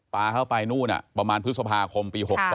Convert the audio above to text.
ปลาเข้าไปนู่นประมาณพฤษภาคมปี๖๒